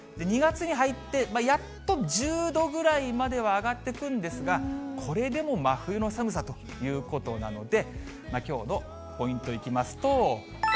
２月に入って、やっと１０度ぐらいまでは上がってくるんですが、これでも真冬の寒さということなので、きょうのポイント、いきますと。